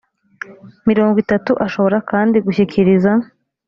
mirongo itatu ashobora kandi gushyikiriza